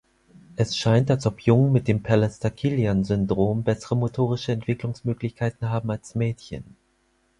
Es scheint, als ob Jungen mit dem Pallister-Killian-Syndrom bessere motorische Entwicklungsmöglichkeiten haben als Mädchen.